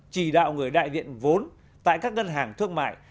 chỉ đạo người đại diện vốn tại các ngân hàng thương mại